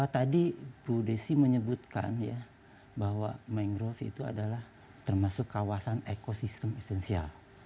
tadi bu desi menyebutkan ya bahwa mangrove itu adalah termasuk kawasan ekosistem esensial